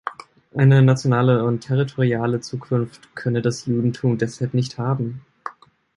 Eine nationale und territoriale Zukunft könne das Judentum deshalb nicht haben.